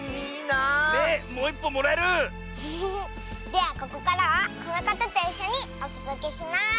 ではここからはこのかたといっしょにおとどけします。